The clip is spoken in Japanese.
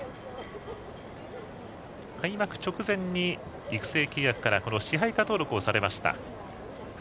開幕直前に育成契約から支配下登録されました。